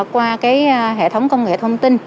qua cái hệ thống công nghệ thông tin